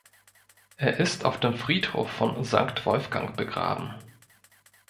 Er ist auf dem Friedhof von Sankt Wolfgang begraben.